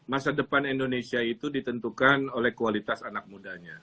masa depan indonesia itu ditentukan oleh kualitas anak mudanya